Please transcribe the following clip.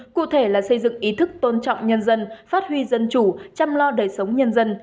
cụ thể là xây dựng ý thức tôn trọng nhân dân phát huy dân chủ chăm lo đời sống nhân dân